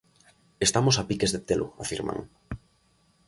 Estamos a piques de telo, afirman.